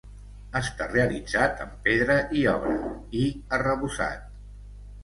Està realitzat amb pedra i obra, i arrebossat.